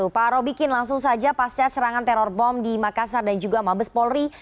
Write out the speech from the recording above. pak robikin langsung saja pasca serangan teror bom di makassar dan juga mabes polri